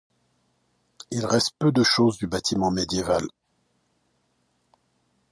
Il reste peu de choses du bâtiment médiéval.